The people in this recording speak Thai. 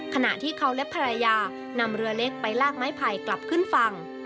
ขณะที่เขาและภรรยานำเรือเล็กไปลากไม้ไผ่กลับขึ้นฝั่ง